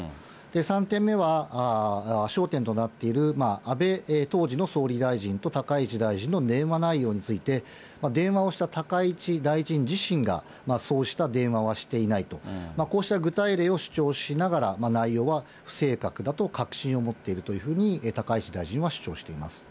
３点目は焦点となっている安倍、当時の総理大臣と高市大臣の電話内容について、電話をした高市大臣自身が、そうした電話はしていないと、こうした具体例を主張しながら、内容は不正確だと確信を持っているというふうに、高市大臣は主張